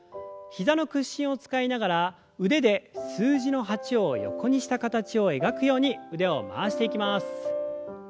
膝の屈伸を使いながら腕で数字の８を横にした形を描くように腕を回していきます。